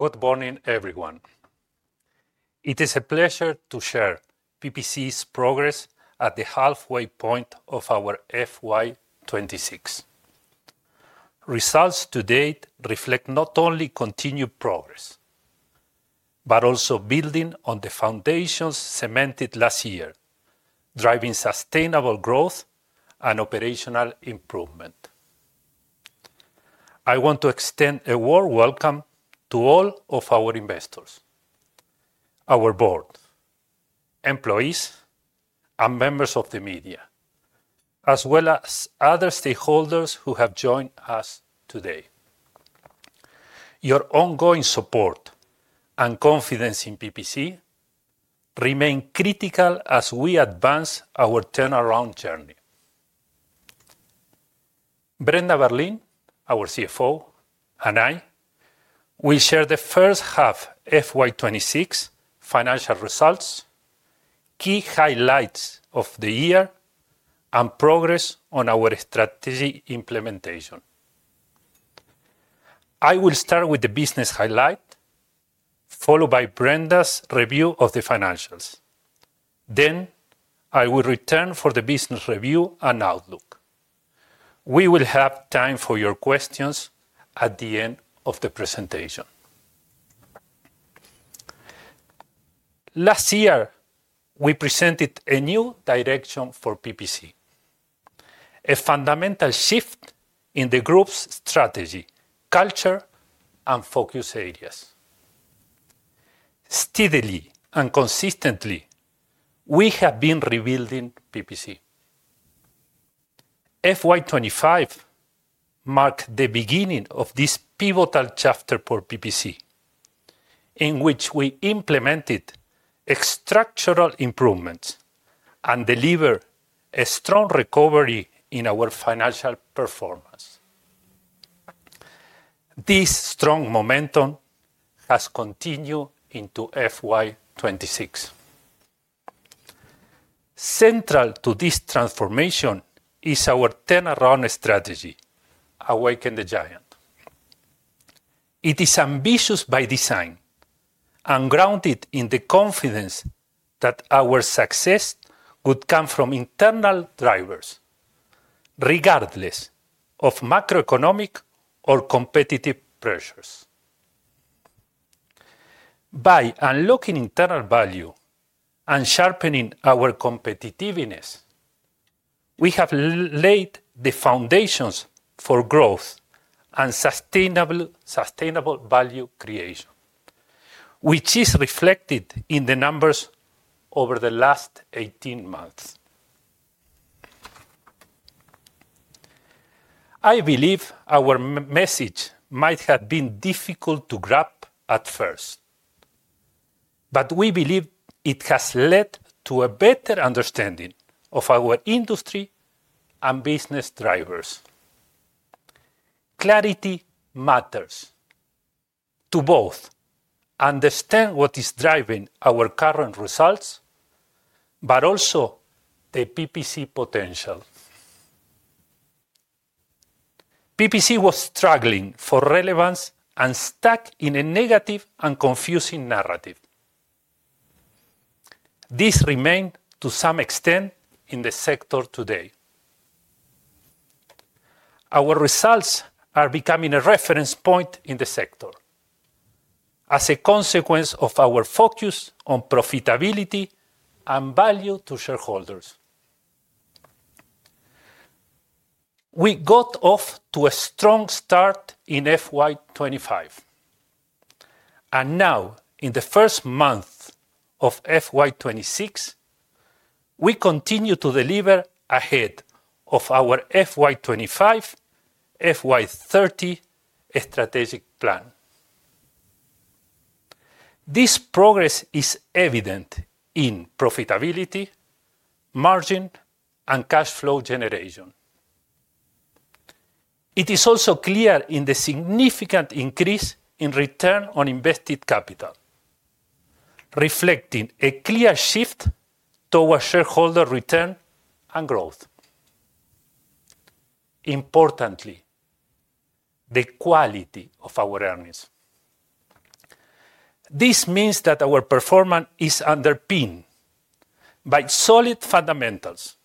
Good morning, everyone. It is a pleasure to share PPC's progress at the halfway point of our FY 2026. Results to date reflect not only continued progress, but also building on the foundations cemented last year, driving sustainable growth and operational improvement. I want to extend a warm welcome to all of our investors, our board, employees, and members of the media, as well as other stakeholders who have joined us today. Your ongoing support and confidence in PPC remain critical as we advance our turnaround journey. Brenda Berlin, our CFO, and I will share the first half FY 2026 financial results, key highlights of the year, and progress on our strategy implementation. I will start with the business highlight, followed by Brenda's review of the financials. I will return for the business review and outlook. We will have time for your questions at the end of the presentation. Last year, we presented a new direction for PPC, a fundamental shift in the group's strategy, culture, and focus areas. Steadily and consistently, we have been rebuilding PPC. FY 2025 marked the beginning of this pivotal chapter for PPC, in which we implemented structural improvements and delivered a strong recovery in our financial performance. This strong momentum has continued into FY 2026. Central to this transformation is our turnaround strategy, Awaken the Giant. It is ambitious by design and grounded in the confidence that our success would come from internal drivers, regardless of macroeconomic or competitive pressures. By unlocking internal value and sharpening our competitiveness, we have laid the foundations for growth and sustainable value creation, which is reflected in the numbers over the last 18 months. I believe our message might have been difficult to grasp at first, but we believe it has led to a better understanding of our industry and business drivers. Clarity matters to both understand what is driving our current results, but also the PPC potential. PPC was struggling for relevance and stuck in a negative and confusing narrative. This remains, to some extent, in the sector today. Our results are becoming a reference point in the sector as a consequence of our focus on profitability and value to shareholders. We got off to a strong start in FY 2025, and now, in the first month of FY 2026, we continue to deliver ahead of our FY 2025, FY 2030 strategic plan. This progress is evident in profitability, margin, and cash flow generation. It is also clear in the significant increase in return on invested capital, reflecting a clear shift towards shareholder return and growth. Importantly, the quality of our earnings. This means that our performance is underpinned by solid fundamentals,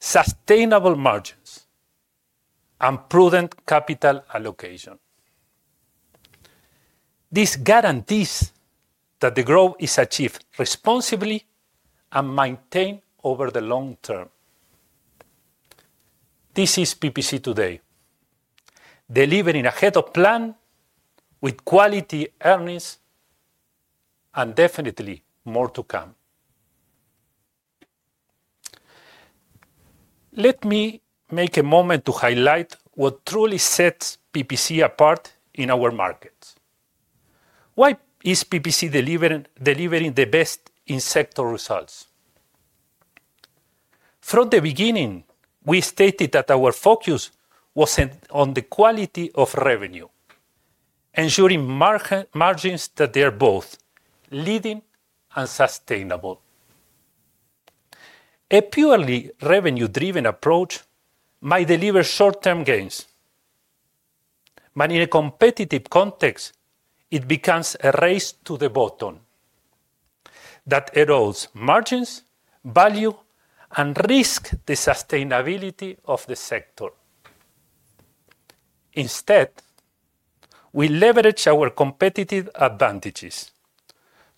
sustainable margins, and prudent capital allocation. This guarantees that the growth is achieved responsibly and maintained over the long term. This is PPC today, delivering a head-of-plan with quality earnings and definitely more to come. Let me make a moment to highlight what truly sets PPC apart in our markets. Why is PPC delivering the best in sector results? From the beginning, we stated that our focus was on the quality of revenue, ensuring margins that they are both leading and sustainable. A purely revenue-driven approach might deliver short-term gains, but in a competitive context, it becomes a race to the bottom that erodes margins, value, and risks the sustainability of the sector. Instead, we leverage our competitive advantages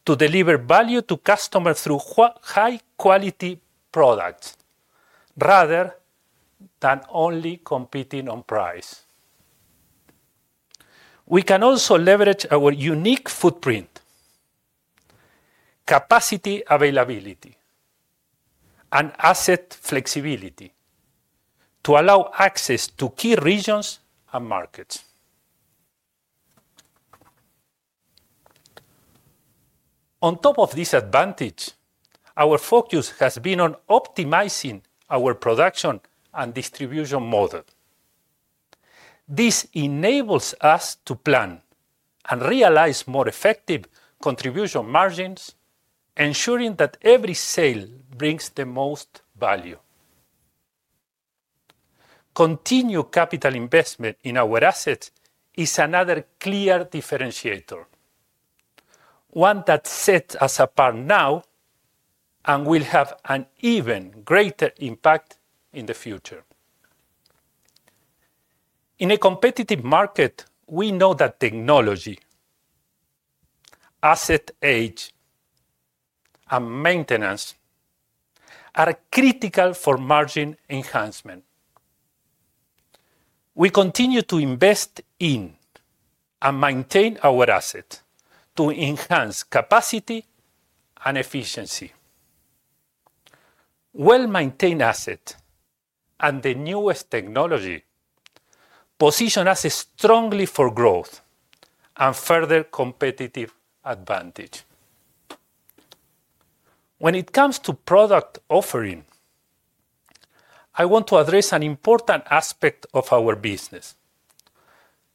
to deliver value to customers through high-quality products rather than only competing on price. We can also leverage our unique footprint, capacity availability, and asset flexibility to allow access to key regions and markets. On top of this advantage, our focus has been on optimizing our production and distribution model. This enables us to plan and realize more effective contribution margins, ensuring that every sale brings the most value. Continued capital investment in our assets is another clear differentiator, one that sets us apart now and will have an even greater impact in the future. In a competitive market, we know that technology, asset age, and maintenance are critical for margin enhancement. We continue to invest in and maintain our assets to enhance capacity and efficiency. Well-maintained assets and the newest technology position us strongly for growth and further competitive advantage. When it comes to product offering, I want to address an important aspect of our business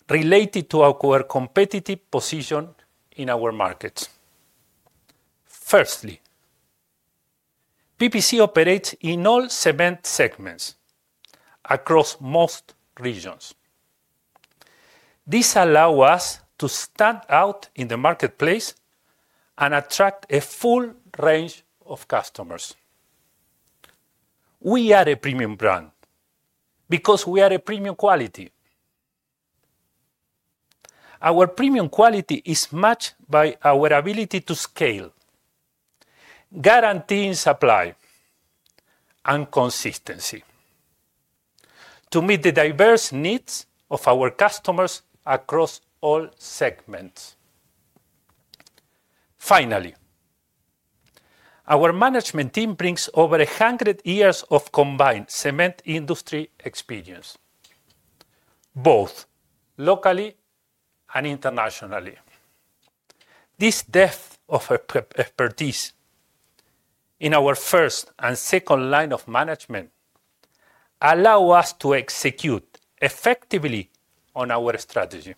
related to our competitive position in our markets. Firstly, PPC operates in all segments across most regions. This allows us to stand out in the marketplace and attract a full range of customers. We are a premium brand because we are a premium quality. Our premium quality is matched by our ability to scale, guarantee in supply, and consistency to meet the diverse needs of our customers across all segments. Finally, our management team brings over 100 years of combined cement industry experience, both locally and internationally. This depth of expertise in our first and second line of management allows us to execute effectively on our strategy.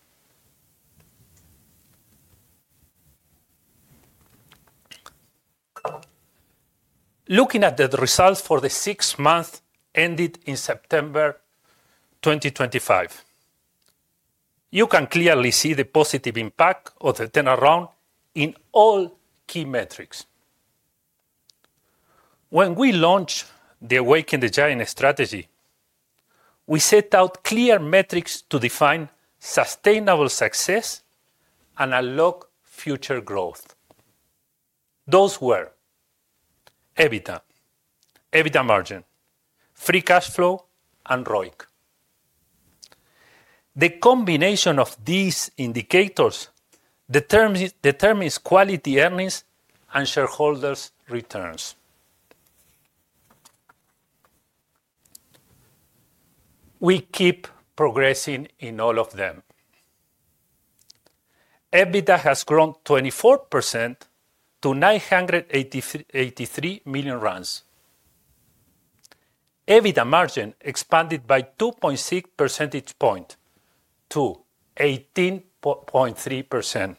Looking at the results for the six months ended in September 2025, you can clearly see the positive impact of the turnaround in all key metrics. When we launched the Awaken the Giant strategy, we set out clear metrics to define sustainable success and unlock future growth. Those were EBITDA, EBITDA margin, free cash flow, and ROIC. The combination of these indicators determines quality earnings and shareholders' returns. We keep progressing in all of them. EBITDA has grown 24% to ZAR 983 million. EBITDA margin expanded by 2.6 percentage points to 18.3%.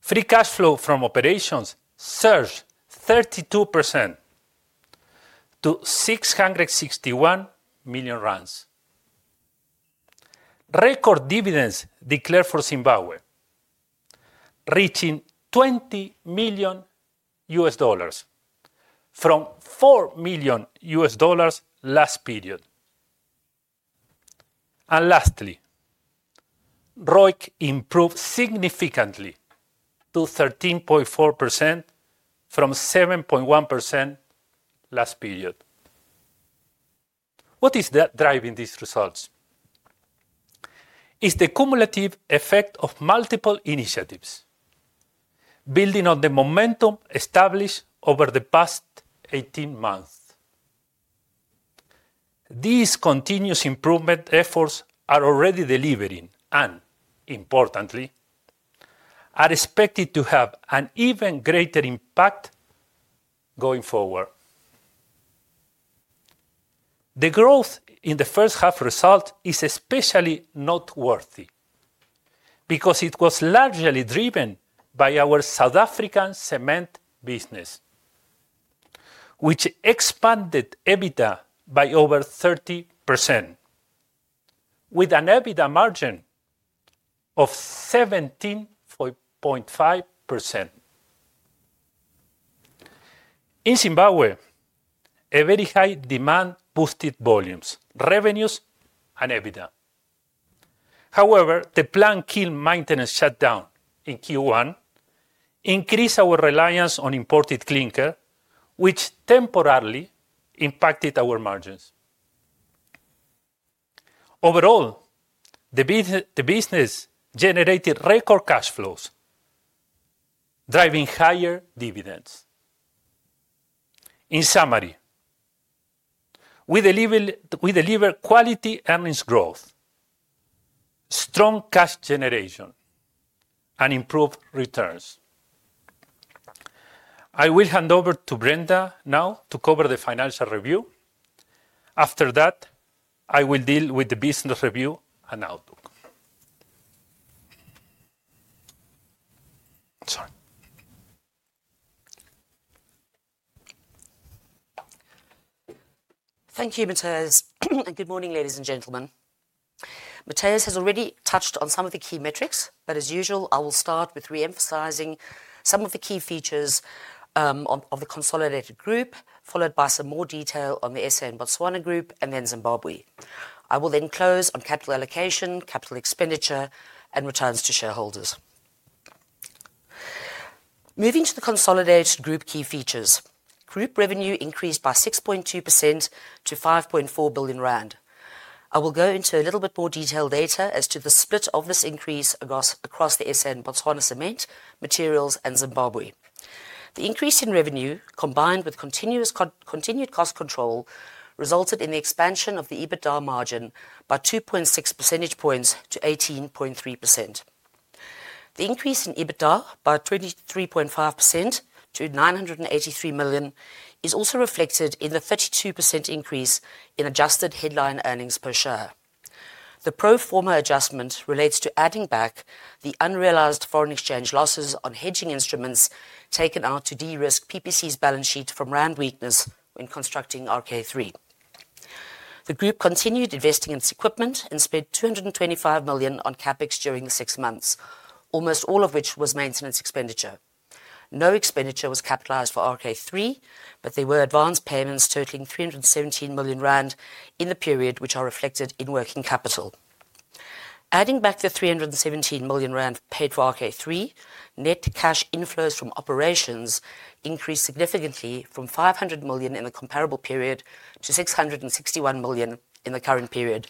Free cash flow from operations surged 32% to ZAR 661 million. Record dividends declared for Zimbabwe, reaching $20 million from $4 million last period. Lastly, ROIC improved significantly to 13.4% from 7.1% last period. What is driving these results? It is the cumulative effect of multiple initiatives, building on the momentum established over the past 18 months. These continuous improvement efforts are already delivering and, importantly, are expected to have an even greater impact going forward. The growth in the first half result is especially noteworthy because it was largely driven by our South African cement business, which expanded EBITDA by over 30%, with an EBITDA margin of 17.5%. In Zimbabwe, a very high demand boosted volumes, revenues, and EBITDA. However, the planned maintenance shutdown in Q1 increased our reliance on imported clinker, which temporarily impacted our margins. Overall, the business generated record cash flows, driving higher dividends. In summary, we deliver quality earnings growth, strong cash generation, and improved returns. I will hand over to Brenda now to cover the financial review. After that, I will deal with the business review and outlook. Sorry. Thank you, Matias. Good morning, ladies and gentlemen. Matias has already touched on some of the key metrics, but as usual, I will start with re-emphasizing some of the key features of the consolidated group, followed by some more detail on the SA and Botswana group, and then Zimbabwe. I will then close on capital allocation, capital expenditure, and returns to shareholders. Moving to the consolidated group key features, group revenue increased by 6.2% to 5.4 billion rand. I will go into a little bit more detailed data as to the split of this increase across the SA and Botswana cement, materials, and Zimbabwe. The increase in revenue, combined with continued cost control, resulted in the expansion of the EBITDA margin by 2.6 percentage points to 18.3%. The increase in EBITDA by 23.5% to 983 million is also reflected in the 32% increase in adjusted headline earnings per share. The pro forma adjustment relates to adding back the unrealized foreign exchange losses on hedging instruments taken out to de-risk PPC's balance sheet from rand weakness when constructing RK3. The group continued investing in its equipment and spent 225 million on CapEx during the six months, almost all of which was maintenance expenditure. No expenditure was capitalized for RK3, but there were advanced payments totaling 317 million rand in the period, which are reflected in working capital. Adding back the 317 million rand paid for RK3, net cash inflows from operations increased significantly from 500 million in the comparable period to 661 million in the current period,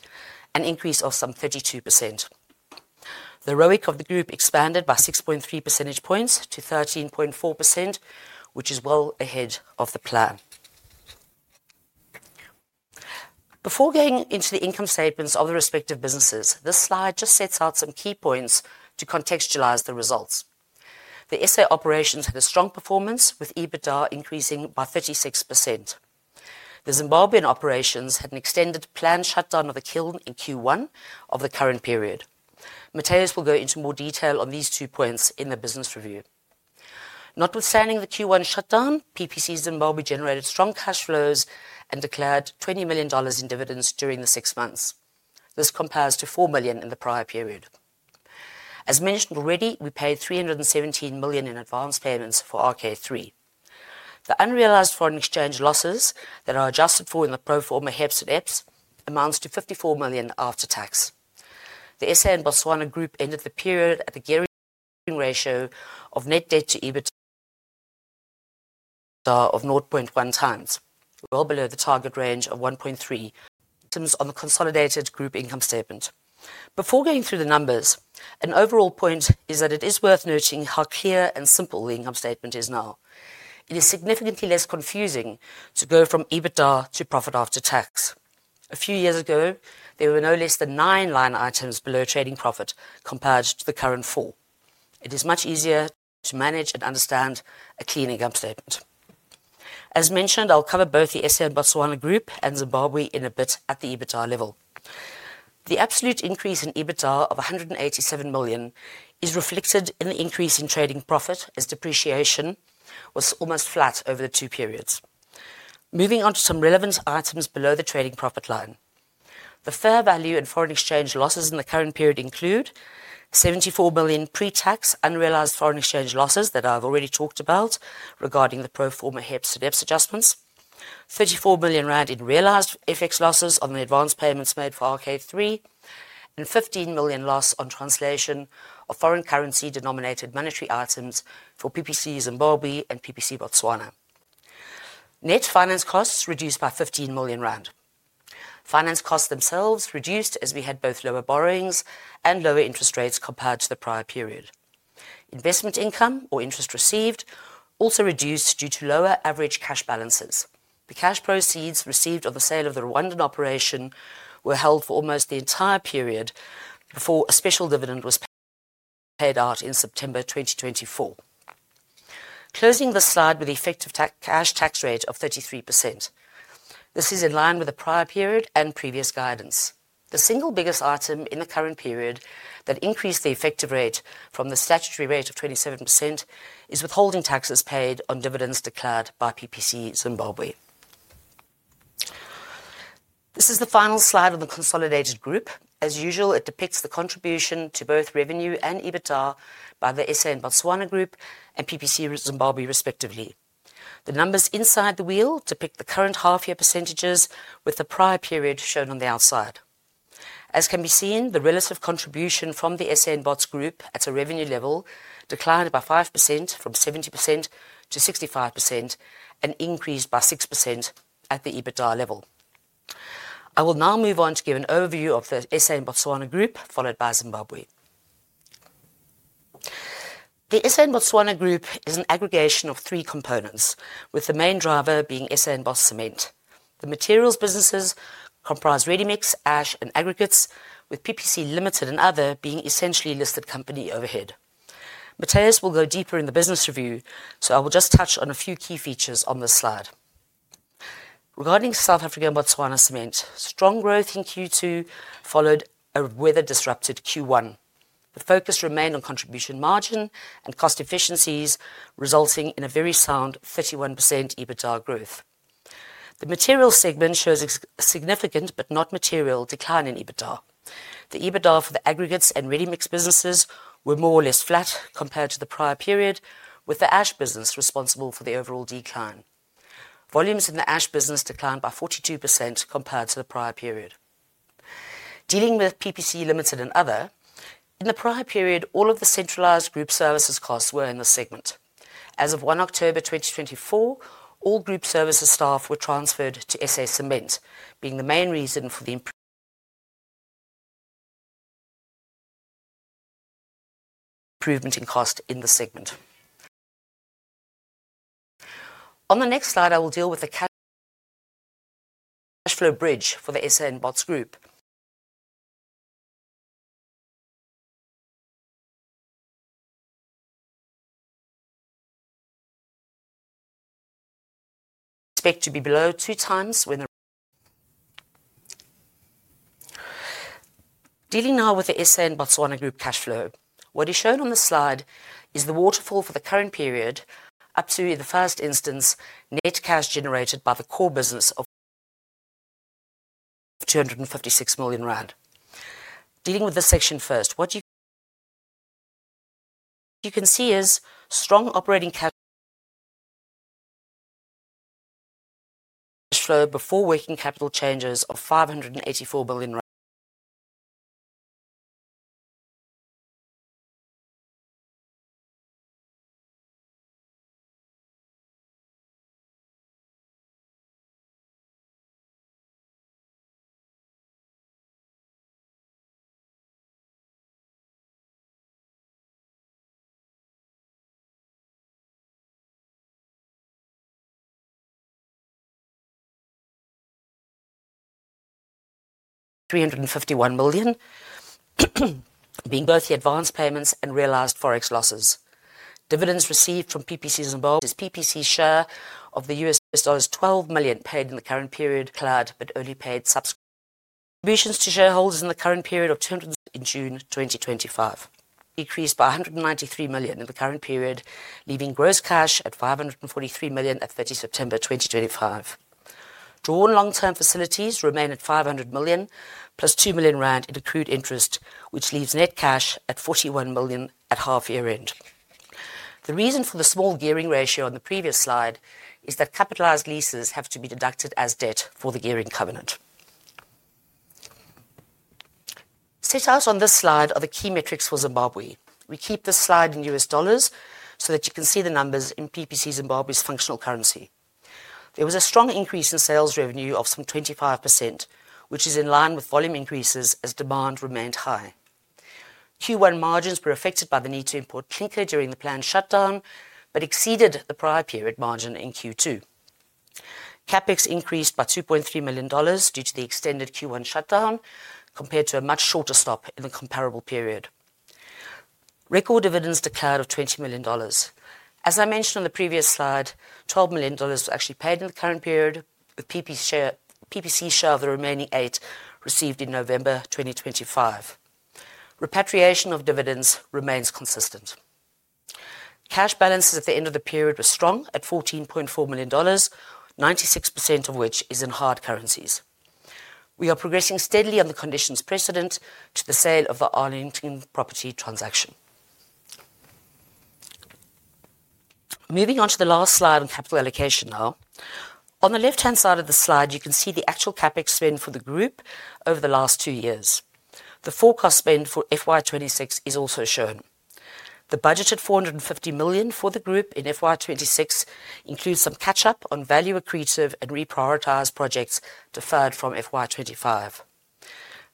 an increase of some 32%. The ROIC of the group expanded by 6.3 percentage points to 13.4%, which is well ahead of the plan. Before going into the income statements of the respective businesses, this slide just sets out some key points to contextualize the results. The SA operations had a strong performance, with EBITDA increasing by 36%. The Zimbabwean operations had an extended planned shutdown of the kiln in Q1 of the current period. Matias will go into more detail on these two points in the business review. Notwithstanding the Q1 shutdown, PPC Zimbabwe generated strong cash flows and declared $20 million in dividends during the six months. This compares to $4 million in the prior period. As mentioned already, we paid 317 million in advanced payments for RK3. The unrealized foreign exchange losses that are adjusted for in the pro forma HEPS and EPS amounts to 54 million after tax. The SA and Botswana group ended the period at a gearing ratio of net debt to EBITDA of 0.1x, well below the target range of 1.3x on the consolidated group income statement. Before going through the numbers, an overall point is that it is worth noting how clear and simple the income statement is now. It is significantly less confusing to go from EBITDA to profit after tax. A few years ago, there were no less than nine line items below trading profit compared to the current four. It is much easier to manage and understand a clean income statement. As mentioned, I'll cover both the SA and Botswana group and Zimbabwe in a bit at the EBITDA level. The absolute increase in EBITDA of $187 million is reflected in the increase in trading profit as depreciation was almost flat over the two periods. Moving on to some relevant items below the trading profit line. The fair value and foreign exchange losses in the current period include $74 million pre-tax unrealized foreign exchange losses that I've already talked about regarding the pro forma HEPS and EPS adjustments, 34 million rand in realized FX losses on the advanced payments made for RK3, and 15 million loss on translation of foreign currency-denominated monetary items for PPC Zimbabwe and PPC Botswana. Net finance costs reduced by 15 million rand. Finance costs themselves reduced as we had both lower borrowings and lower interest rates compared to the prior period. Investment income or interest received also reduced due to lower average cash balances. The cash proceeds received on the sale of the Rwandan operation were held for almost the entire period before a special dividend was paid out in September 2024. Closing the slide with the effective cash tax rate of 33%. This is in line with the prior period and previous guidance. The single biggest item in the current period that increased the effective rate from the statutory rate of 27% is withholding taxes paid on dividends declared by PPC Zimbabwe. This is the final slide of the consolidated group. As usual, it depicts the contribution to both revenue and EBITDA by the SA and Botswana group and PPC Zimbabwe respectively. The numbers inside the wheel depict the current half-year percentages with the prior period shown on the outside. As can be seen, the relative contribution from the SA and Bots group at a revenue level declined by 5% from 70% to 65% and increased by 6% at the EBITDA level. I will now move on to give an overview of the SA and Botswana group, followed by Zimbabwe. The SA and Botswana group is an aggregation of three components, with the main driver being SA and Bots cement. The materials businesses comprise ready mix, ash, and aggregates, with PPC Limited and other being essentially listed company overhead. Matias will go deeper in the business review, so I will just touch on a few key features on this slide. Regarding South Africa and Botswana cement, strong growth in Q2 followed a weather-disrupted Q1. The focus remained on contribution margin and cost efficiencies, resulting in a very sound 31% EBITDA growth. The materials segment shows a significant but not material decline in EBITDA. The EBITDA for the aggregates and ready mix businesses were more or less flat compared to the prior period, with the ash business responsible for the overall decline. Volumes in the ash business declined by 42% compared to the prior period. Dealing with PPC Ltd. and other, in the prior period, all of the centralized group services costs were in the segment. As of 1 October 2024, all group services staff were transferred to SA cement, being the main reason for the improvement in cost in the segment. On the next slide, I will deal with the cash flow bridge for the SA and Bots group. Expect to be below two times when the. Dealing now with the SA and Botswana group cash flow, what is shown on the slide is the waterfall for the current period up to the first instance, net cash generated by the core business of 256 million rand. Dealing with the section first, what you can see is strong operating cash flow before working capital changes of 584 million rand. 351 million rand being both the advanced payments and realized forex losses. Dividends received from PPC Zimbabwe is PPC share of the $12 million paid in the current period. Declared but only paid subscriptions to shareholders in the current period of. In June 2025. Decreased by 193 million in the current period, leaving gross cash at 543 million at 30 September 2025. Drawn long-term facilities remain at 500 million plus 2 million rand in accrued interest, which leaves net cash at 41 million at half-year end. The reason for the small gearing ratio on the previous slide is that capitalized leases have to be deducted as debt for the gearing covenant. Set out on this slide are the key metrics for Zimbabwe. We keep this slide in US dollars so that you can see the numbers in PPC Zimbabwe's functional currency. There was a strong increase in sales revenue of some 25%, which is in line with volume increases as demand remained high. Q1 margins were affected by the need to import clinker during the planned shutdown but exceeded the prior period margin in Q2. CapEx increased by $2.3 million due to the extended Q1 shutdown compared to a much shorter stop in the comparable period. Record dividends declared of $20 million. As I mentioned on the previous slide, $12 million was actually paid in the current period, with PPC share of the remaining $8 million received in November 2025. Repatriation of dividends remains consistent. Cash balances at the end of the period were strong at $14.4 million, 96% of which is in hard currencies. We are progressing steadily on the conditions precedent to the sale of the Arlington property transaction. Moving on to the last slide on capital allocation now. On the left-hand side of the slide, you can see the actual CapEx spend for the group over the last two years. The forecast spend for FY 2026 is also shown. The budgeted $450 million for the group in FY 2026 includes some catch-up on value accretive and reprioritized projects deferred from FY 2025.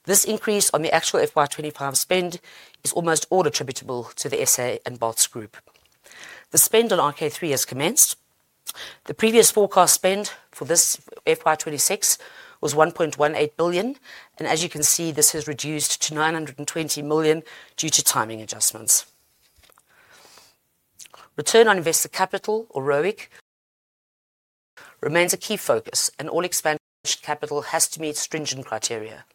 This increase on the actual FY 2025 spend is almost all attributable to the SA and Bots group. The spend on RK3 has commenced. The previous forecast spend for this FY 2026 was $1.18 billion, and as you can see, this has reduced to $920 million due to timing adjustments. Return on invested capital or ROIC remains a key focus, and all expanded capital has to meet stringent criteria.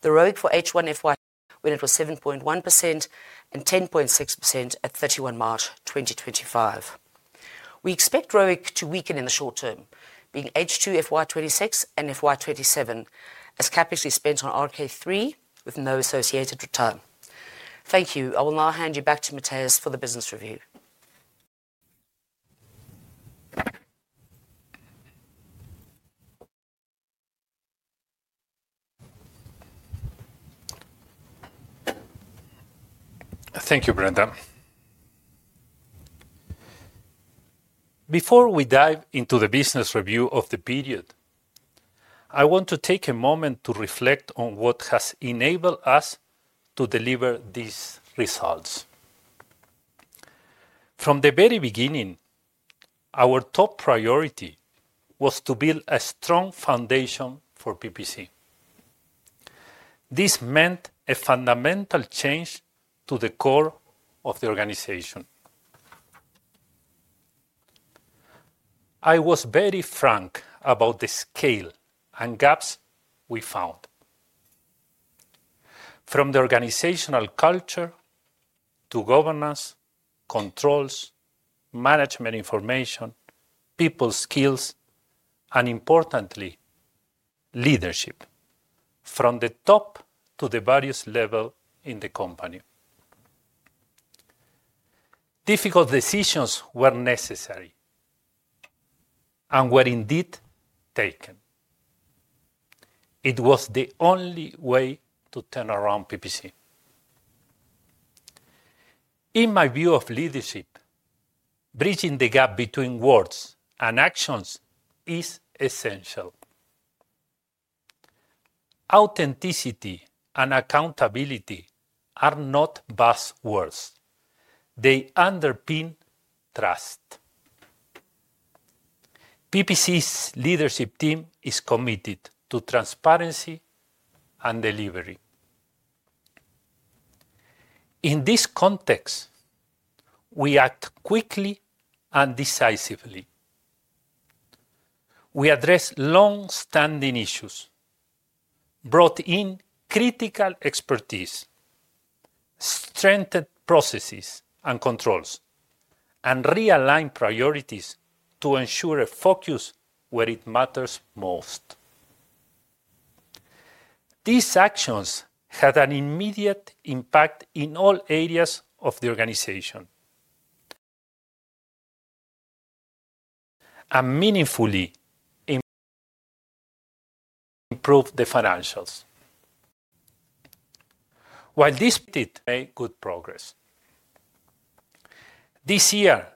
The ROIC for H1 FY when it was 7.1% and 10.6% at 31 March 2025. We expect ROIC to weaken in the short term, being H2 FY 2026 and FY 2027 as CapEx is spent on RK3 with no associated return. Thank you. I will now hand you back to Matias for the business review. Thank you, Brenda. Before we dive into the business review of the period, I want to take a moment to reflect on what has enabled us to deliver these results. From the very beginning, our top priority was to build a strong foundation for PPC. This meant a fundamental change to the core of the organization. I was very frank about the scale and gaps we found. From the organizational culture to governance, controls, management information, people skills, and importantly, leadership from the top to the various levels in the company. Difficult decisions were necessary and were indeed taken. It was the only way to turn around PPC. In my view of leadership, bridging the gap between words and actions is essential. Authenticity and accountability are not buzzwords. They underpin trust. PPC's leadership team is committed to transparency and delivery. In this context, we act quickly and decisively. We address long-standing issues, brought in critical expertise, strengthened processes and controls, and realign priorities to ensure a focus where it matters most. These actions had an immediate impact in all areas of the organization and meaningfully improved the financials. While this made good progress, this year,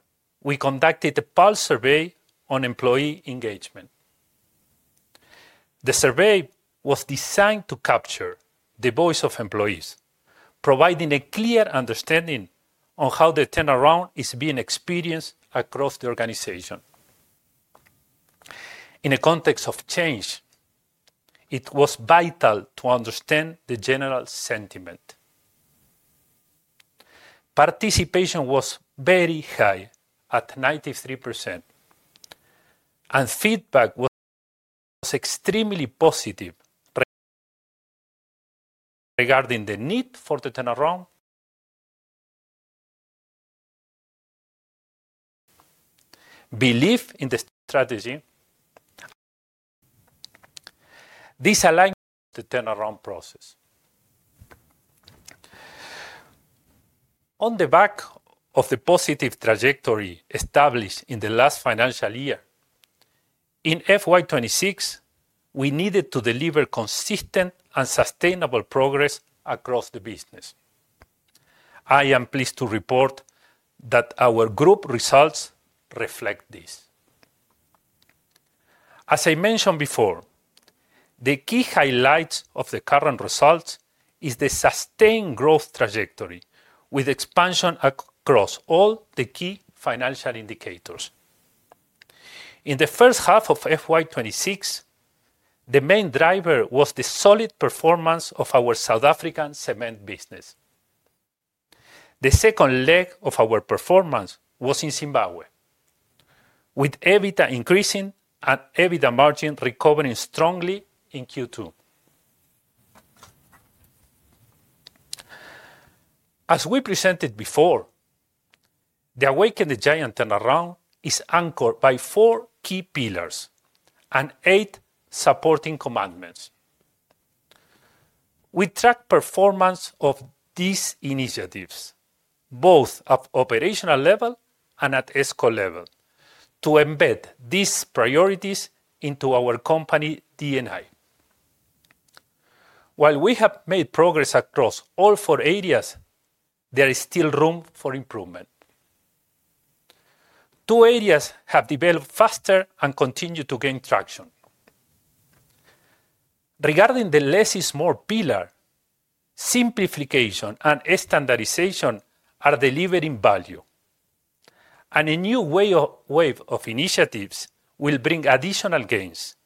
we conducted a pulse survey on employee engagement. The survey was designed to capture the voice of employees, providing a clear understanding of how the turnaround is being experienced across the organization. In a context of change, it was vital to understand the general sentiment. Participation was very high at 93%, and feedback was extremely positive regarding the need for the turnaround, belief in the strategy, and this alignment of the turnaround process. On the back of the positive trajectory established in the last financial year, in FY 2026, we needed to deliver consistent and sustainable progress across the business. I am pleased to report that our group results reflect this. As I mentioned before, the key highlights of the current results are the sustained growth trajectory with expansion across all the key financial indicators. In the first half of FY 2026, the main driver was the solid performance of our South African cement business. The second leg of our performance was in Zimbabwe, with EBITDA increasing and EBITDA margin recovering strongly in Q2. As we presented before, the Awaken the Giant turnaround is anchored by four key pillars and eight supporting commandments. We track performance of these initiatives, both at operational level and at ESCO level, to embed these priorities into our company D&I. While we have made progress across all four areas, there is still room for improvement. Two areas have developed faster and continue to gain traction. Regarding the less is more pillar, simplification and standardization are delivering value, and a new wave of initiatives will bring additional gains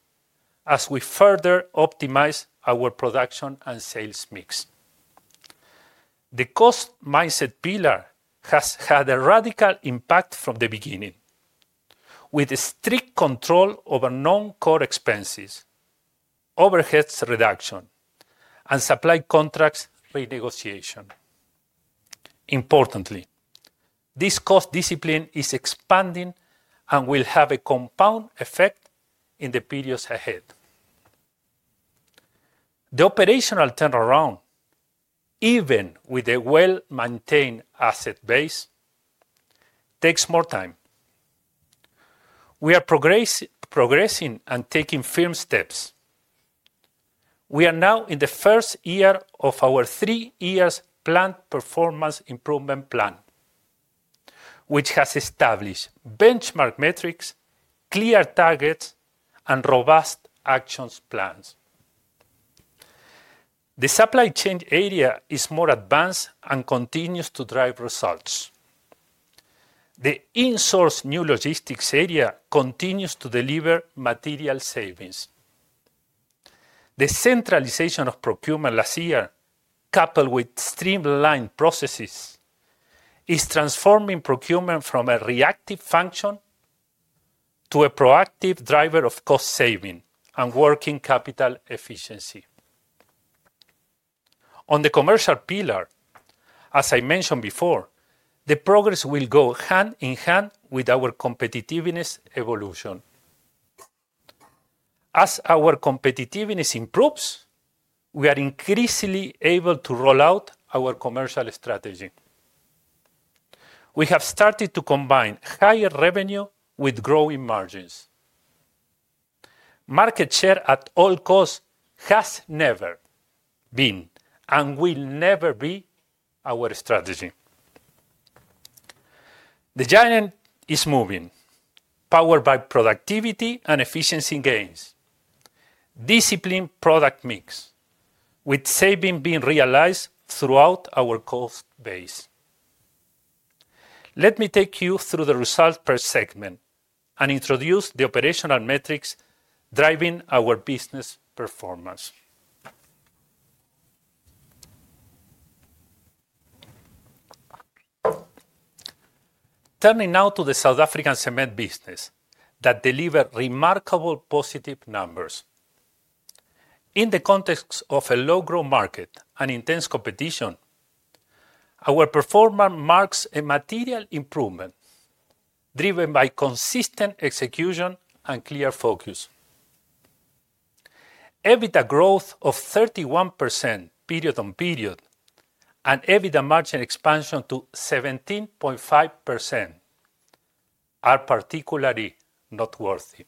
as we further optimize our production and sales mix. The cost mindset pillar has had a radical impact from the beginning, with strict control over non-core expenses, overhead reduction, and supply contracts renegotiation. Importantly, this cost discipline is expanding and will have a compound effect in the periods ahead. The operational turnaround, even with a well-maintained asset base, takes more time. We are progressing and taking firm steps. We are now in the first year of our three-year planned performance improvement plan, which has established benchmark metrics, clear targets, and robust action plans. The supply chain area is more advanced and continues to drive results. The in-source new logistics area continues to deliver material savings. The centralization of procurement last year, coupled with streamlined processes, is transforming procurement from a reactive function to a proactive driver of cost saving and working capital efficiency. On the commercial pillar, as I mentioned before, the progress will go hand in hand with our competitiveness evolution. As our competitiveness improves, we are increasingly able to roll out our commercial strategy. We have started to combine higher revenue with growing margins. Market share at all costs has never been and will never be our strategy. The giant is moving, powered by productivity and efficiency gains, disciplined product mix, with saving being realized throughout our cost base. Let me take you through the result per segment and introduce the operational metrics driving our business performance. Turning now to the South African cement business that delivers remarkable positive numbers. In the context of a low-growth market and intense competition, our performance marks a material improvement driven by consistent execution and clear focus. EBITDA growth of 31% period on period and EBITDA margin expansion to 17.5% are particularly noteworthy.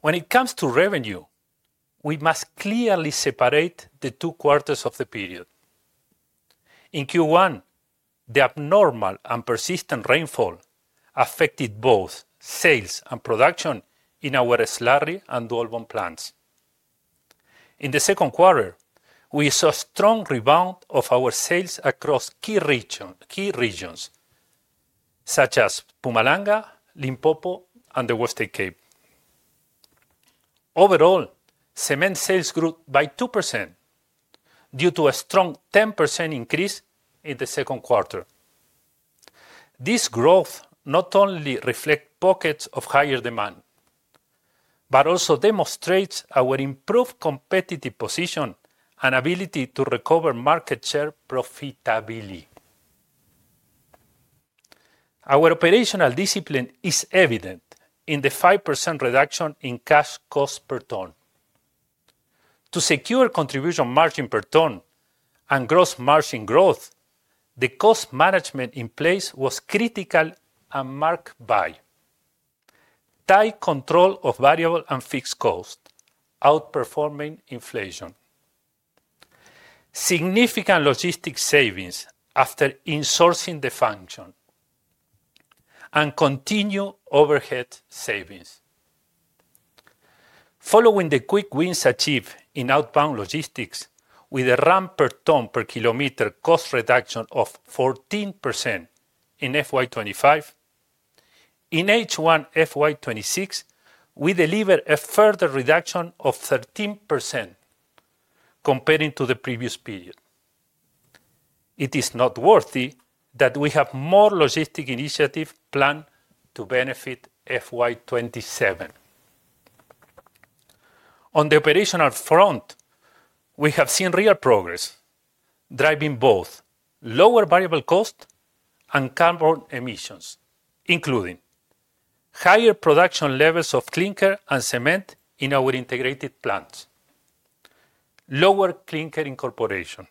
When it comes to revenue, we must clearly separate the two quarters of the period. In Q1, the abnormal and persistent rainfall affected both sales and production in our Slurry and Colleen Bawn plants. In the second quarter, we saw a strong rebound of our sales across key regions such as Mpumalanga, Limpopo, and the Western Cape. Overall, cement sales grew by 2% due to a strong 10% increase in the second quarter. This growth not only reflects pockets of higher demand, but also demonstrates our improved competitive position and ability to recover market share profitably. Our operational discipline is evident in the 5% reduction in cash cost per ton. To secure contribution margin per ton and gross margin growth, the cost management in place was critical and marked by tight control of variable and fixed costs, outperforming inflation. Significant logistics savings after insourcing the function and continued overhead savings. Following the quick wins achieved in outbound logistics with a Rand per ton per kilometer cost reduction of 14% in FY 2025, in H1 FY 2026, we deliver a further reduction of 13% compared to the previous period. It is noteworthy that we have more logistic initiatives planned to benefit FY 2027. On the operational front, we have seen real progress driving both lower variable costs and carbon emissions, including higher production levels of clinker and cement in our integrated plants, lower clinker incorporation,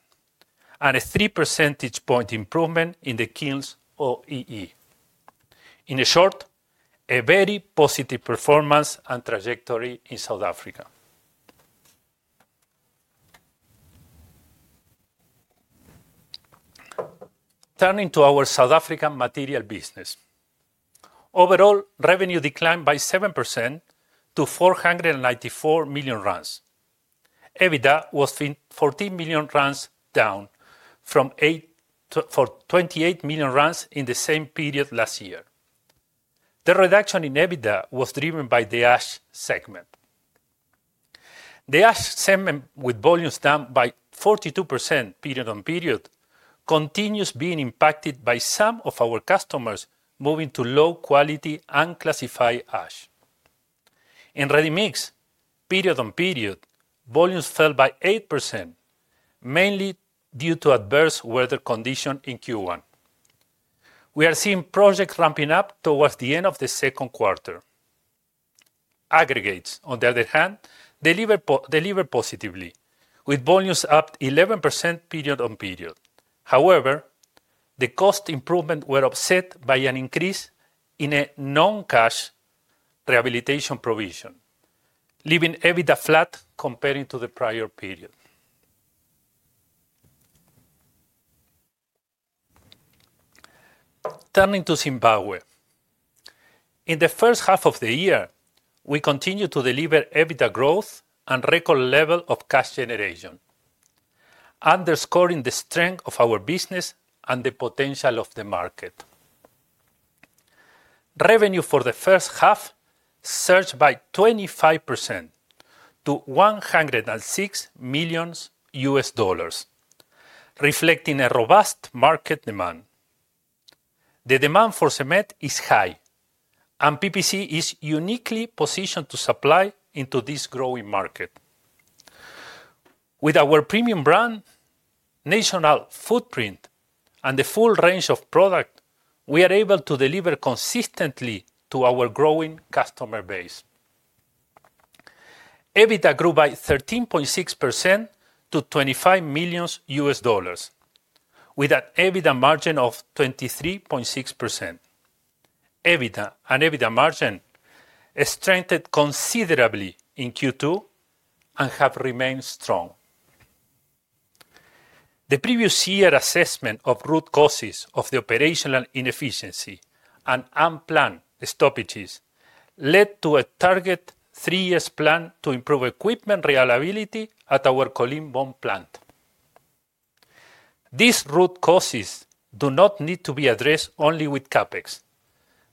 and a 3 percentage point improvement in the kilns' OEE. In short, a very positive performance and trajectory in South Africa. Turning to our South African materials business, overall revenue declined by 7% to 494 million. EBITDA was 14 million, down from 28 million in the same period last year. The reduction in EBITDA was driven by the ash segment. The ash segment, with volumes down by 42% period on period, continues being impacted by some of our customers moving to low-quality unclassified ash. In ready mix, period on period, volumes fell by 8%, mainly due to adverse weather conditions in Q1. We are seeing projects ramping up towards the end of the second quarter. Aggregates, on the other hand, deliver positively, with volumes up 11% period on period. However, the cost improvements were offset by an increase in a non-cash rehabilitation provision, leaving EBITDA flat compared to the prior period. Turning to Zimbabwe, in the first half of the year, we continue to deliver EBITDA growth and record levels of cash generation, underscoring the strength of our business and the potential of the market. Revenue for the first half surged by 25% to $106 million, reflecting a robust market demand. The demand for cement is high, and PPC is uniquely positioned to supply into this growing market. With our premium brand, national footprint, and the full range of products, we are able to deliver consistently to our growing customer base. EBITDA grew by 13.6% to $25 million, with an EBITDA margin of 23.6%. EBITDA and EBITDA margin strengthened considerably in Q2 and have remained strong. The previous year assessment of root causes of the operational inefficiency and unplanned stoppages led to a target three-year plan to improve equipment reliability at our Colleen Bawn plant. These root causes do not need to be addressed only with CapEx,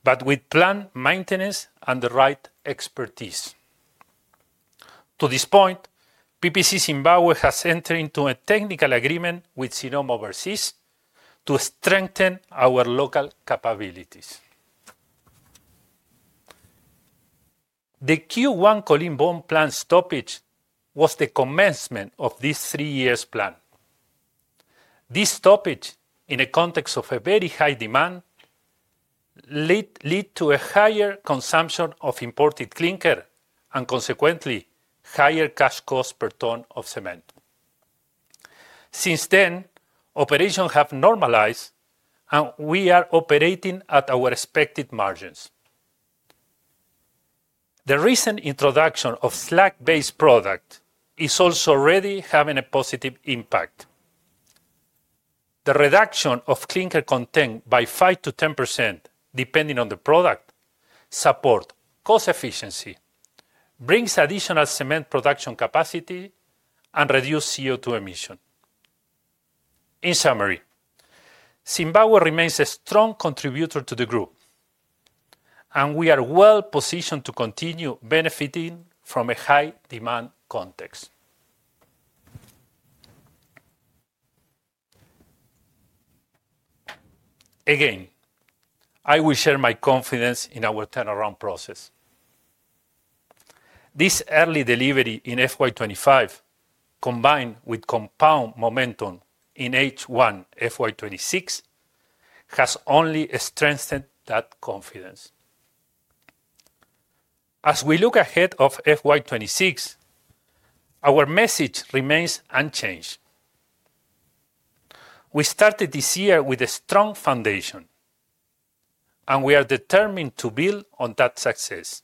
but with planned maintenance and the right expertise. To this point, PPC Zimbabwe has entered into a technical agreement with Sinoma Overseas to strengthen our local capabilities. The Q1 Colleen Bawn plant stoppage was the commencement of this three-year plan. This stoppage, in the context of a very high demand, led to a higher consumption of imported clinker and, consequently, higher cash cost per ton of cement. Since then, operations have normalized, and we are operating at our expected margins. The recent introduction of slag-based products is also already having a positive impact. The reduction of clinker content by 5%-10%, depending on the product, supports cost efficiency, brings additional cement production capacity, and reduces CO2 emissions. In summary, Zimbabwe remains a strong contributor to the group, and we are well positioned to continue benefiting from a high-demand context. Again, I will share my confidence in our turnaround process. This early delivery in FY 2025, combined with compound momentum in H1 FY 2026, has only strengthened that confidence. As we look ahead to FY 2026, our message remains unchanged. We started this year with a strong foundation, and we are determined to build on that success.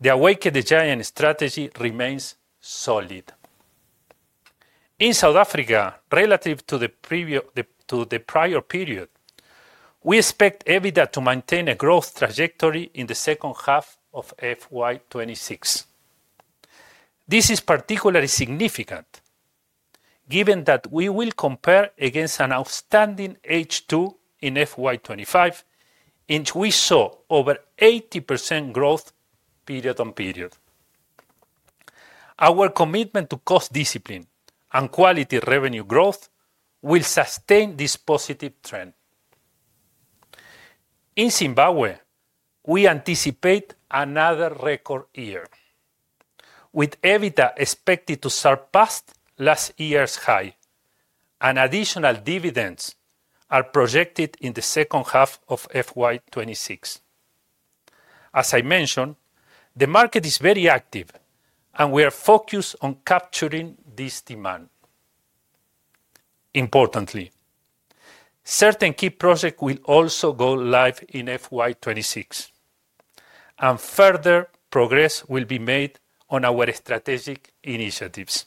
The Awaken the Giant strategy remains solid. In South Africa, relative to the prior period, we expect EBITDA to maintain a growth trajectory in the second half of FY 2026. This is particularly significant given that we will compare against an outstanding H2 in FY 2025, in which we saw over 80% growth period on period. Our commitment to cost discipline and quality revenue growth will sustain this positive trend. In Zimbabwe, we anticipate another record year, with EBITDA expected to surpass last year's high, and additional dividends are projected in the second half of FY 2026. As I mentioned, the market is very active, and we are focused on capturing this demand. Importantly, certain key projects will also go live in FY 2026, and further progress will be made on our strategic initiatives.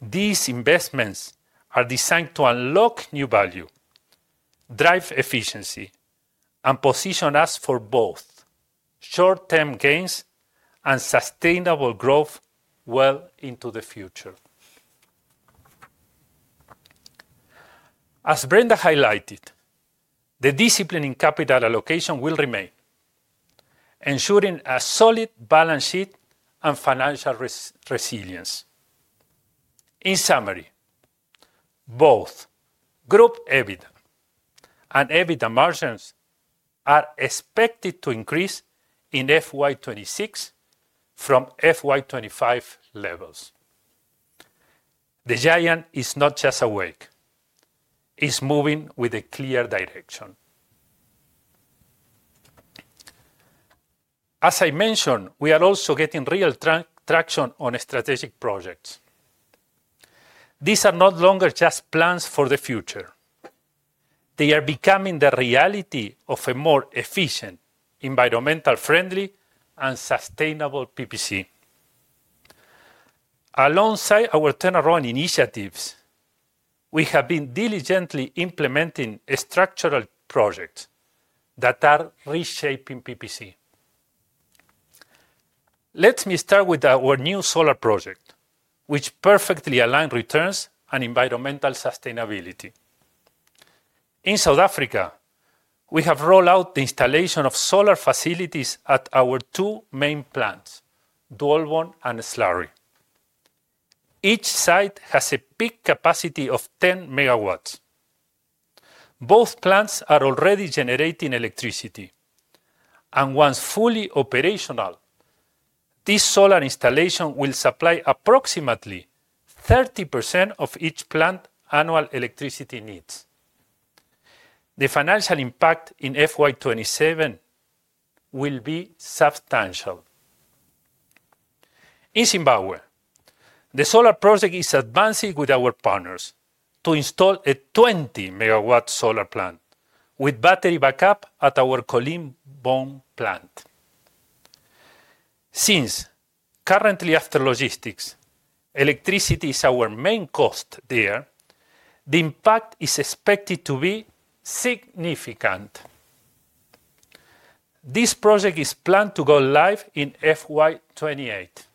These investments are designed to unlock new value, drive efficiency, and position us for both short-term gains and sustainable growth well into the future. As Brenda highlighted, the discipline in capital allocation will remain, ensuring a solid balance sheet and financial resilience. In summary, both group EBITDA and EBITDA margins are expected to increase in FY 2026 from FY 2025 levels. The giant is not just awake; it is moving with a clear direction. As I mentioned, we are also getting real traction on strategic projects. These are no longer just plans for the future. They are becoming the reality of a more efficient, environmentally friendly, and sustainable PPC. Alongside our turnaround initiatives, we have been diligently implementing structural projects that are reshaping PPC. Let me start with our new solar project, which perfectly aligns returns and environmental sustainability. In South Africa, we have rolled out the installation of solar facilities at our two main plants, Dwaalboom and Slurry. Each site has a peak capacity of 10 MW. Both plants are already generating electricity, and once fully operational, this solar installation will supply approximately 30% of each plant's annual electricity needs. The financial impact in FY 2027 will be substantial. In Zimbabwe, the solar project is advancing with our partners to install a 20-MW solar plant with battery backup at our Colleen Bawn plant. Since currently, after logistics, electricity is our main cost there, the impact is expected to be significant. This project is planned to go live in FY 2028,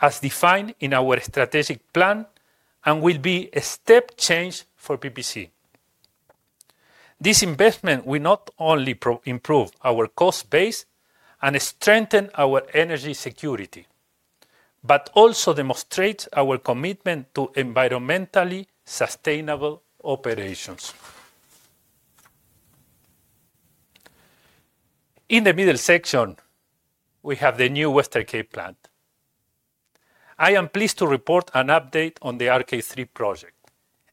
as defined in our strategic plan, and will be a step change for PPC. This investment will not only improve our cost base and strengthen our energy security, but also demonstrates our commitment to environmentally sustainable operations. In the middle section, we have the new Western Cape plant. I am pleased to report an update on the RK3 Project,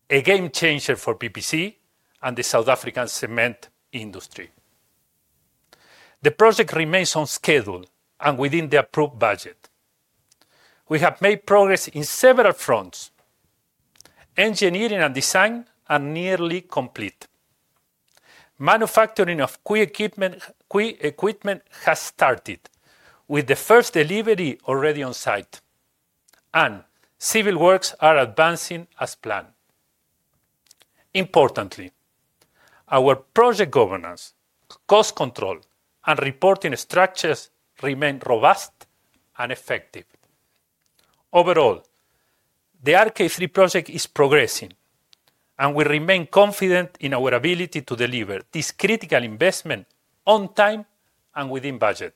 a game changer for PPC and the South African cement industry. The project remains on schedule and within the approved budget. We have made progress in several fronts. Engineering and design are nearly complete. Manufacturing of equipment has started, with the first delivery already on site, and civil works are advancing as planned. Importantly, our project governance, cost control, and reporting structures remain robust and effective. Overall, the RK3 Project is progressing, and we remain confident in our ability to deliver this critical investment on time and within budget.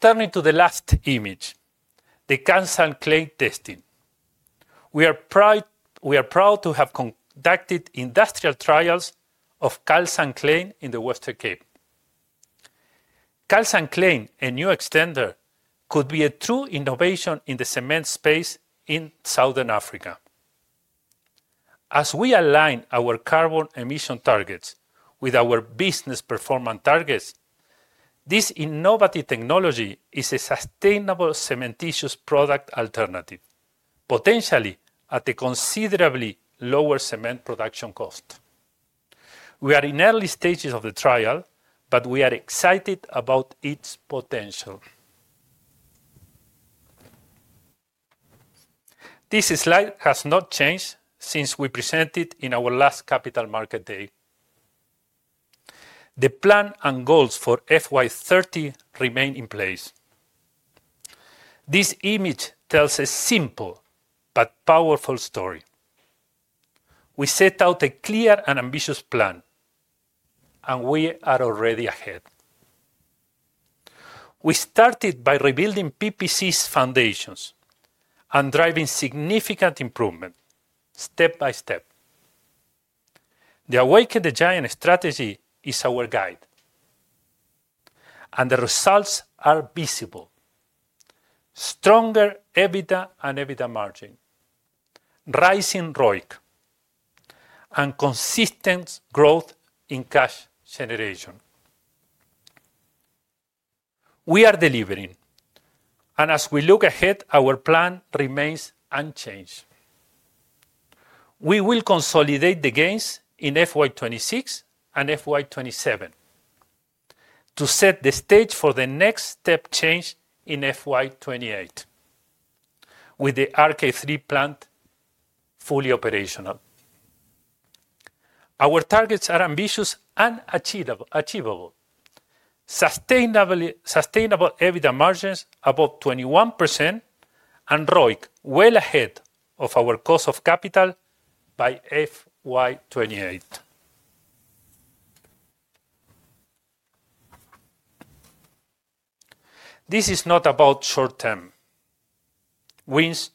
Turning to the last image, the calcined clay testing. We are proud to have conducted industrial trials of calcined clay in the Western Cape. Calcined clay, a new extender, could be a true innovation in the cement space in Southern Africa. As we align our carbon emission targets with our business performance targets, this innovative technology is a sustainable cementitious product alternative, potentially at a considerably lower cement production cost. We are in early stages of the trial, but we are excited about its potential. This slide has not changed since we presented it in our last capital market day. The plan and goals for FY 2030 remain in place. This image tells a simple but powerful story. We set out a clear and ambitious plan, and we are already ahead. We started by rebuilding PPC's foundations and driving significant improvement step by step. The Awaken the Giant strategy is our guide, and the results are visible: stronger EBITDA and EBITDA margin, rising ROIC, and consistent growth in cash generation. We are delivering, and as we look ahead, our plan remains unchanged. We will consolidate the gains in FY 2026 and FY 2027 to set the stage for the next step change in FY 2028, with the RK3 plant fully operational. Our targets are ambitious and achievable: sustainable EBITDA margins above 21% and ROIC well ahead of our cost of capital by FY 2028. This is not about short-term wins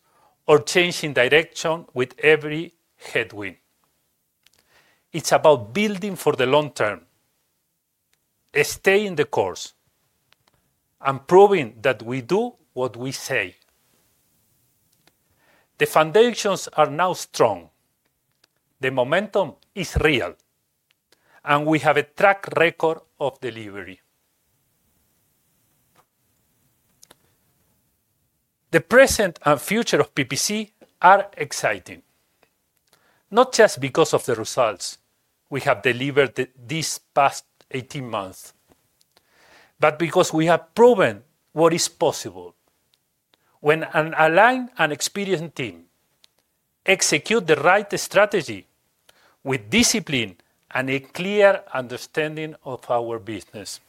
or changing direction with every headwind. It is about building for the long term, staying the course, and proving that we do what we say. The foundations are now strong, the momentum is real, and we have a track record of delivery. The present and future of PPC are exciting, not just because of the results we have delivered these past 18 months, but because we have proven what is possible when an aligned and experienced team executes the right strategy with discipline and a clear understanding of our business.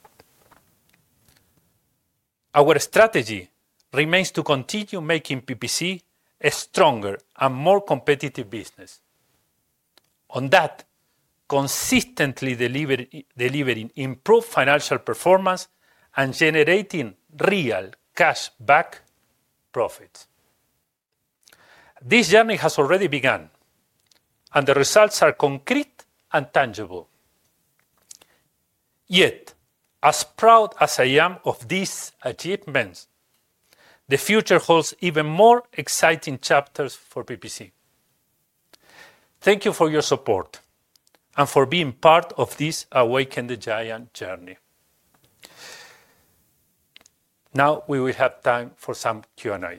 Our strategy remains to continue making PPC a stronger and more competitive business, one that consistently delivers improved financial performance and generates real cashback profits. This journey has already begun, and the results are concrete and tangible. Yet, as proud as I am of these achievements, the future holds even more exciting chapters for PPC. Thank you for your support and for being part of this Awaken the Giant journey. Now we will have time for some Q&A.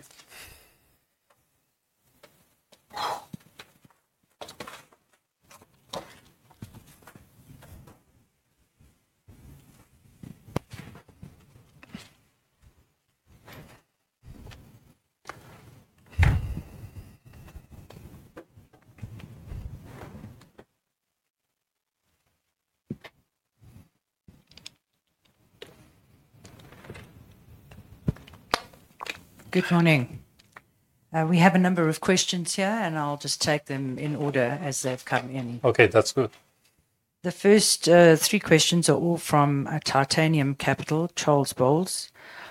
Good morning. We have a number of questions here, and I'll just take them in order as they've come in. Okay, that's good. The first three questions are all from Titanium Capital, Charles Bowles.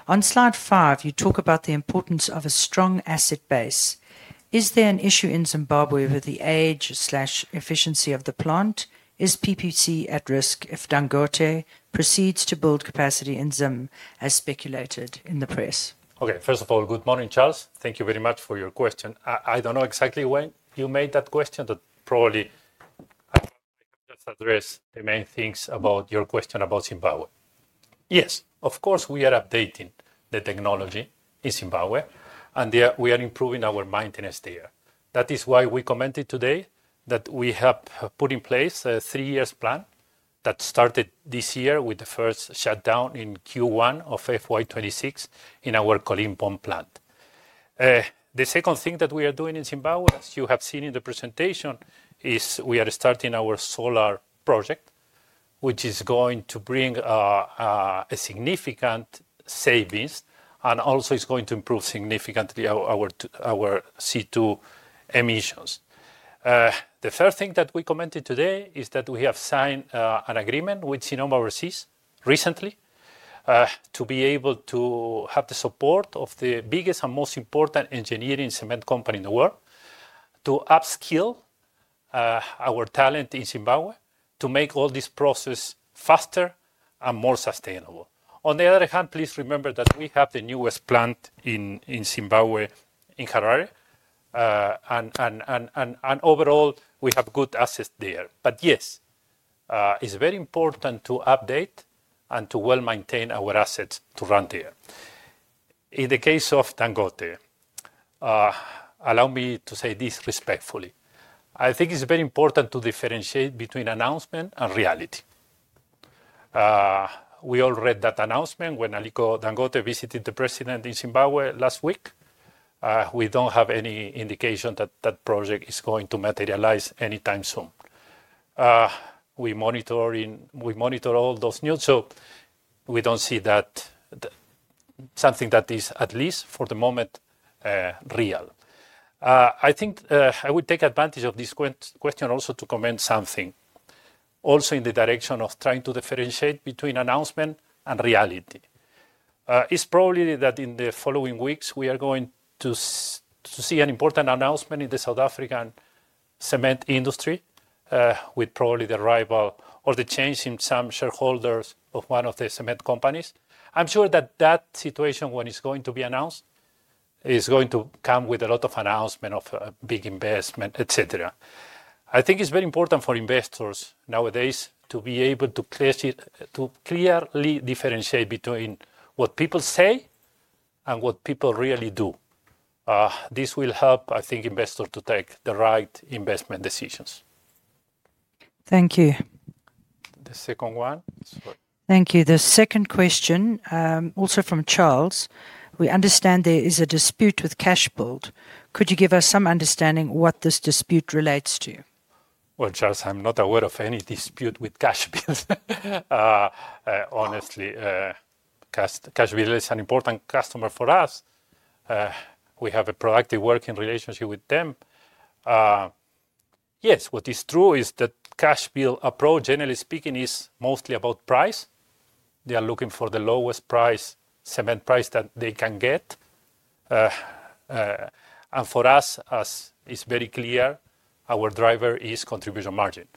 On slide five, you talk about the importance of a strong asset base. Is there an issue in Zimbabwe with the age/efficiency of the plant? Is PPC at risk if Dangote proceeds to build capacity in Zim, as speculated in the press? Okay, first of all, good morning, Charles. Thank you very much for your question. I don't know exactly when you made that question, but probably I can just address the main things about your question about Zimbabwe. Yes, of course, we are updating the technology in Zimbabwe, and we are improving our maintenance there. That is why we commented today that we have put in place a three-year plan that started this year with the first shutdown in Q1 of FY 2026 in our Colleen Bawn plant. The second thing that we are doing in Zimbabwe, as you have seen in the presentation, is we are starting our solar project, which is going to bring a significant savings and also is going to improve significantly our CO2 emissions. The third thing that we commented today is that we have signed an agreement with Sinoma Overseas recently to be able to have the support of the biggest and most important engineering cement company in the world to upskill our talent in Zimbabwe, to make all this process faster and more sustainable. On the other hand, please remember that we have the newest plant in Zimbabwe in Harare, and overall, we have good assets there. It is very important to update and to well maintain our assets to run there. In the case of Dangote, allow me to say this respectfully. I think it is very important to differentiate between announcement and reality. We all read that announcement when Aliko Dangote visited the president in Zimbabwe last week. We do not have any indication that that project is going to materialize anytime soon. We monitor all those news, so we do not see that as something that is, at least for the moment, real. I think I will take advantage of this question also to comment something also in the direction of trying to differentiate between announcement and reality. It's probably that in the following weeks, we are going to see an important announcement in the South African cement industry with probably the arrival or the change in some shareholders of one of the cement companies. I'm sure that that situation, when it's going to be announced, is going to come with a lot of announcement of big investment, etc. I think it's very important for investors nowadays to be able to clearly differentiate between what people say and what people really do. This will help, I think, investors to take the right investment decisions. Thank you. The second one. Thank you. The second question, also from Charles. We understand there is a dispute with Cashbuild. Could you give us some understanding of what this dispute relates to? Charles, I'm not aware of any dispute with Cashbuild, honestly. Cashbuild is an important customer for us. We have a proactive working relationship with them. Yes, what is true is that Cashbuild's approach, generally speaking, is mostly about price. They are looking for the lowest price, cement price that they can get. For us, as it's very clear, our driver is contribution margin.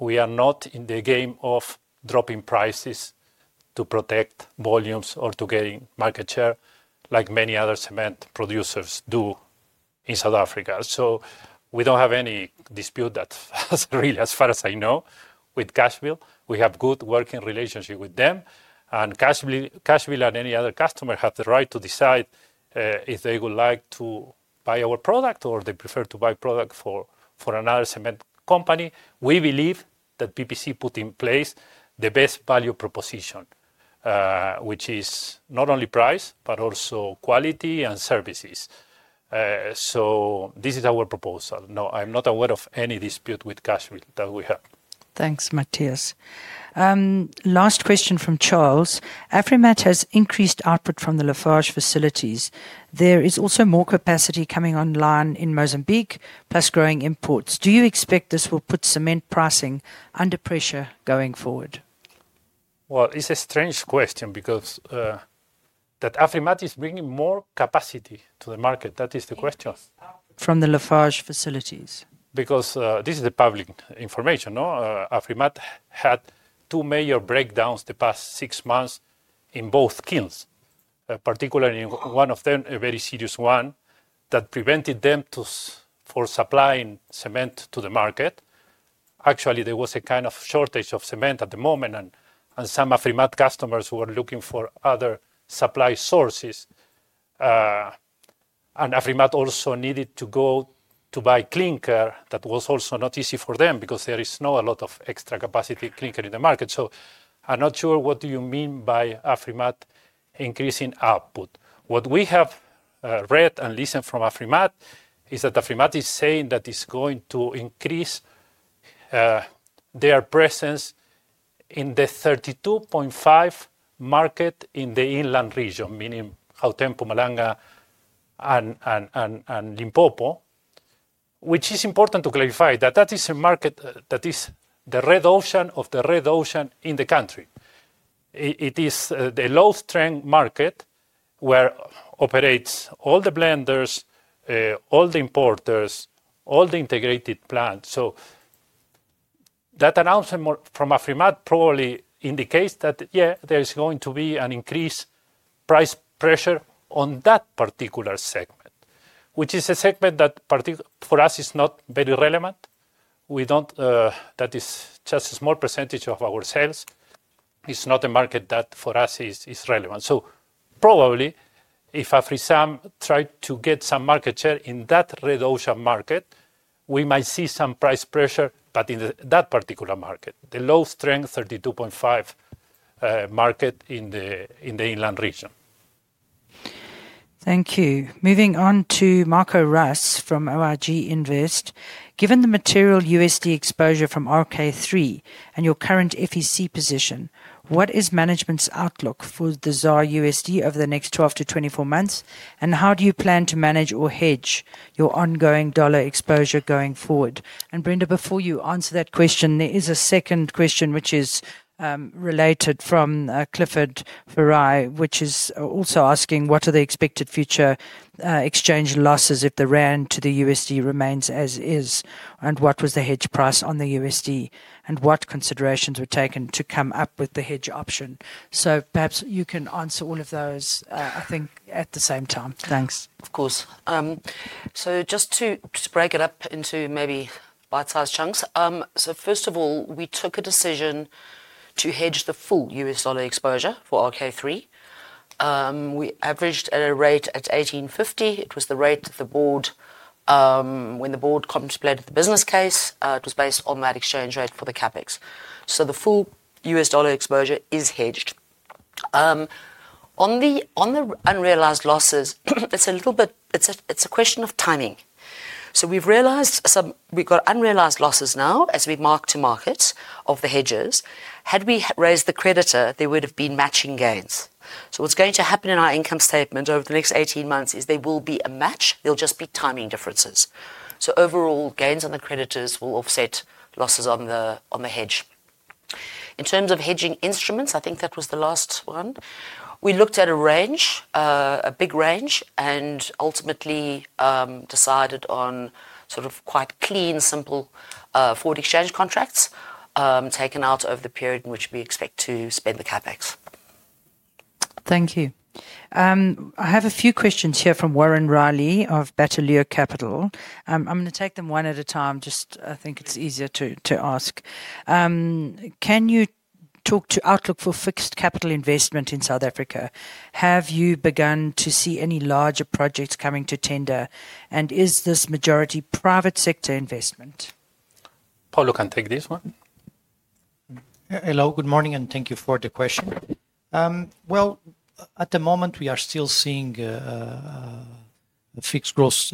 We are not in the game of dropping prices to protect volumes or to gain market share, like many other cement producers do in South Africa. We do not have any dispute, really, as far as I know, with Cashbuild. We have a good working relationship with them, and Cashbuild and any other customer have the right to decide if they would like to buy our product or they prefer to buy product from another cement company. We believe that PPC put in place the best value proposition, which is not only price, but also quality and services. This is our proposal. No, I'm not aware of any dispute with Cashbuild that we have. Thanks, Matias. Last question from Charles. AfriMat has increased output from the Lafarge facilities. There is also more capacity coming online in Mozambique, plus growing imports. Do you expect this will put cement pricing under pressure going forward? It's a strange question because that AfriMat is bringing more capacity to the market. That is the question. From the Lafarge facilities. Because this is the public information. AfriMat had two major breakdowns the past six months in both kilns, particularly in one of them, a very serious one that prevented them from supplying cement to the market. Actually, there was a kind of shortage of cement at the moment, and some AfriMat customers were looking for other supply sources. AfriMat also needed to go to buy clinker. That was also not easy for them because there is not a lot of extra capacity clinker in the market. I'm not sure what you mean by AfriMat increasing output. What we have read and listened from AfriMat is that AfriMat is saying that it's going to increase their presence in the 32.5 market in the inland region, meaning Gauteng, Mpumalanga, and Limpopo, which is important to clarify that that is a market that is the red ocean of the red ocean in the country. It is the low-strength market where operates all the blenders, all the importers, all the integrated plants. That announcement from AfriMat probably indicates that, yeah, there is going to be an increased price pressure on that particular segment, which is a segment that for us is not very relevant. That is just a small percentage of our sales. It's not a market that for us is relevant. Probably if AfriSam tried to get some market share in that red ocean market, we might see some price pressure, but in that particular market, the low-strength 32.5 market in the inland region. Thank you. Moving on to Marco Russ from ORG Invest. Given the material USD exposure from RK3 and your current FEC position, what is management's outlook for the ZAR USD over the next 12 to 24 months? How do you plan to manage or hedge your ongoing dollar exposure going forward? Brenda, before you answer that question, there is a second question which is related from Clifford Ferrar, which is also asking what are the expected future exchange losses if the Rand to the USD remains as is, and what was the hedge price on the USD, and what considerations were taken to come up with the hedge option. Perhaps you can answer all of those, I think, at the same time. Thanks. Of course. Just to break it up into maybe bite-sized chunks. First of all, we took a decision to hedge the full US dollar exposure for RK3. We averaged at a rate at 18.50. It was the rate that the board, when the board contemplated the business case, it was based on that exchange rate for the CapEx. The full US dollar exposure is hedged. On the unrealized losses, it's a question of timing. We've realized we've got unrealized losses now as we mark to market of the hedges. Had we raised the creditor, there would have been matching gains. What's going to happen in our income statement over the next 18 months is there will be a match. There'll just be timing differences. Overall gains on the creditors will offset losses on the hedge. In terms of hedging instruments, I think that was the last one. We looked at a range, a big range, and ultimately decided on sort of quite clean, simple forward exchange contracts taken out over the period in which we expect to spend the CapEx. Thank you. I have a few questions here from Warren Riley of Bataleur Capital. I'm going to take them one at a time. I think it's easier to ask. Can you talk to outlook for fixed capital investment in South Africa? Have you begun to see any larger projects coming to tender? Is this majority private sector investment? Paulo, can take this one. Hello, good morning, and thank you for the question. At the moment, we are still seeing fixed growth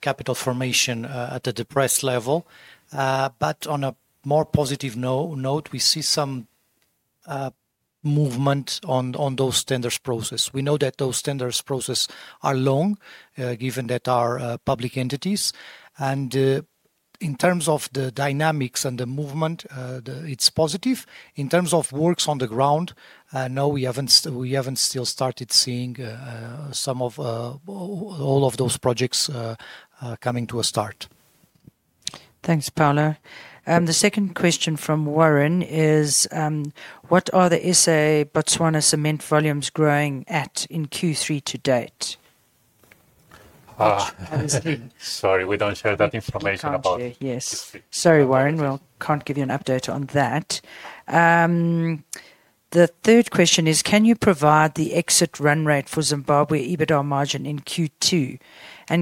capital formation at a depressed level. On a more positive note, we see some movement on those tenders process. We know that those tenders process are long, given that are public entities. In terms of the dynamics and the movement, it's positive. In terms of works on the ground, no, we haven't still started seeing some of all of those projects coming to a start. Thanks, Paulo. The second question from Warren is, what are the South Africa Botswana cement volumes growing at in Q3 to date? Sorry, we don't share that information about. Sorry, Warren. We can't give you an update on that. The third question is, can you provide the exit run rate for Zimbabwe EBITDA margin in Q2?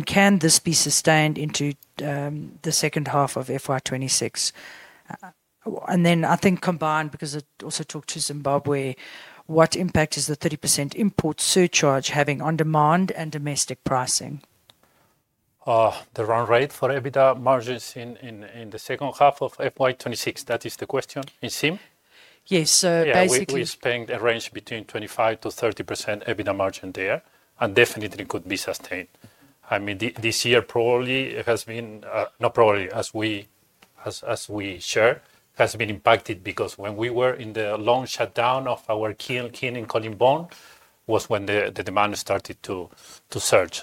Can this be sustained into the second half of FY 2026? I think combined, because I also talked to Zimbabwe, what impact is the 30% import surcharge having on demand and domestic pricing? The run rate for EBITDA margins in the second half of FY 2026, that is the question [in SIM]? Yes, basically. We're spending a range between 25%-30% EBITDA margin there, and definitely could be sustained. I mean, this year probably has been, not probably, as we share, has been impacted because when we were in the long shutdown of our kiln in Colleen Bawn was when the demand started to surge.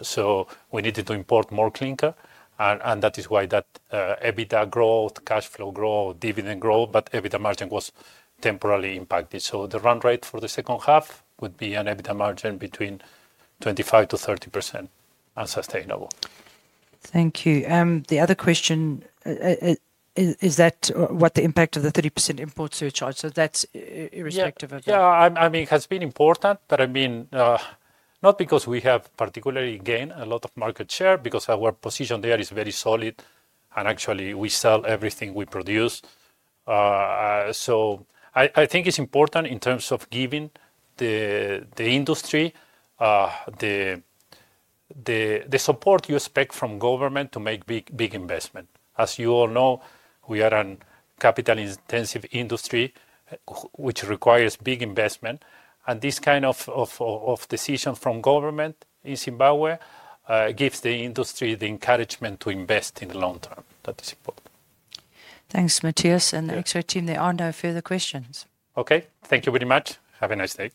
We needed to import more clinker, and that is why that EBITDA growth, cash flow growth, dividend growth, but EBITDA margin was temporarily impacted. The run rate for the second half would be an EBITDA margin between 25%-30% and sustainable. Thank you. The other question is what the impact of the 30% import surcharge is, so that is irrespective of that. Yeah, I mean, it has been important, but I mean, not because we have particularly gained a lot of market share, because our position there is very solid, and actually we sell everything we produce. I think it is important in terms of giving the industry the support you expect from government to make big investment. As you all know, we are a capital-intensive industry, which requires big investment. This kind of decision from government in Zimbabwe gives the industry the encouragement to invest in the long term. That is important. Thanks, Matias, and thanks to our team. There are no further questions. Okay, thank you very much. Have a nice day.